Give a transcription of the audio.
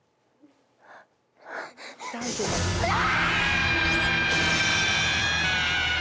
うわ！